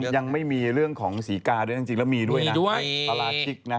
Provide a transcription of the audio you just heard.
ยังไม่มีเรื่องของสีกาด้วยจริงแล้วมีด้วยนะ